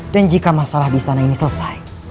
dan jika masalah di istana ini selesai